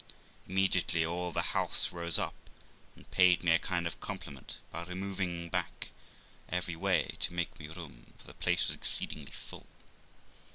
Immediately all the house rose up and paid me a kind of a compliment by removing back every way to make me room, for the place was exceedingly full.